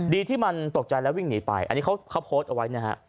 ที่มันตกใจแล้ววิ่งหนีไปอันนี้เขาโพสต์เอาไว้นะฮะ